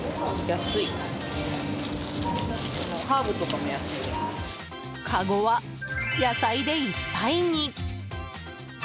かごは野菜でいっぱいに。